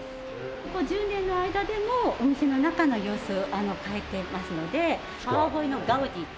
ここ１０年の間でもお店の中の様子変えてますので川越のガウディと。